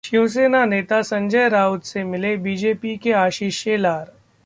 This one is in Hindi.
शिवसेना नेता संजय राउत से मिले बीजेपी के आशीष शेलार